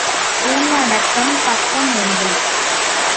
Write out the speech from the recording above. உள்ளடக்கம் பக்கம் ஒன்று.